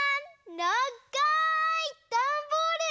ながいダンボール！